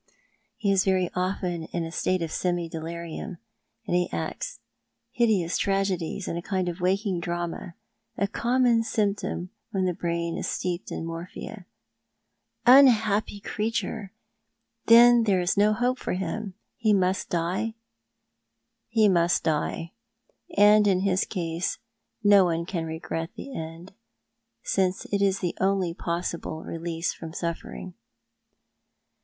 He is very often in a state of semi delirium, and acts hideous tragedies in a kind of waking dream — a common symptom when the brain is steeped in morphia." " Unhappy creature ! Then there is no hope for him ? He must die?" " He must die. And in his case no one can regret the end, since it is the only possible release from suffering."